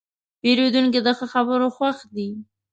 پیرودونکی د ښه خبرو خوښ دی.